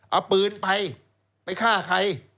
เอาปืนไปไปฆ่าใคร